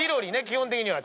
基本的には。